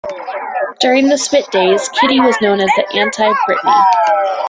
During the "Spit" days, Kittie was known as the "anti-Britney".